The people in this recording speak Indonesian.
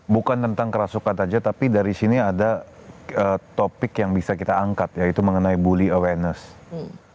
bukan tentang kerasukan saja tapi dari sini ada topik yang bisa kita angkat yaitu mengenai bully awareness